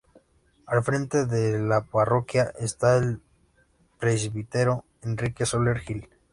Al frente de la parroquia está el presbítero Enrique Soler Gil.